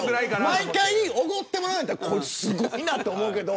毎回、おごってもらうならすごいなと思うけど。